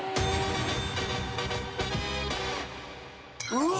うわ！